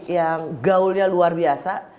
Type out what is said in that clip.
yang gaulnya luar biasa